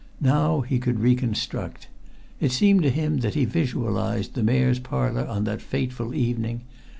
Now he could reconstruct. It seemed to him that he visualized the Mayor's Parlour on that fateful evening.